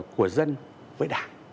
của dân với đảng